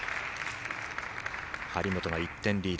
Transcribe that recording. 張本が１点リード。